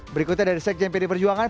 berikutnya dari sekjen pd perjuangan